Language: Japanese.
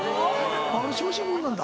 俺小心者なんだ。